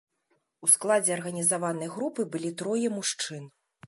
У складзе арганізаванай групы былі трое мужчын.